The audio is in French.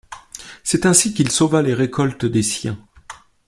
C'est ainsi qu'il sauva les récoltes des siens.